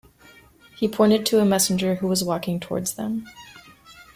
He pointed to a messenger who was walking towards them.